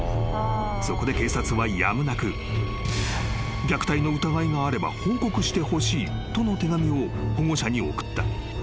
［そこで警察はやむなく「虐待の疑いがあれば報告してほしい」との手紙を保護者に送った］